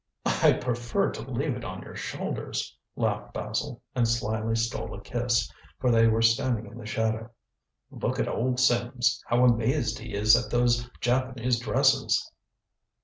"I prefer to leave it on your shoulders," laughed Basil, and slyly stole a kiss, for they were standing in the shadow. "Look at old Sims, how amazed he is at those Japanese dresses!"